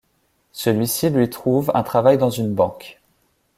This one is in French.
Celui-ci lui trouve un travail dans une banque.